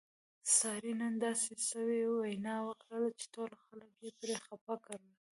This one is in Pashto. سارې نن داسې سوې وینا وکړله چې ټول خلک یې پرې خپه کړل.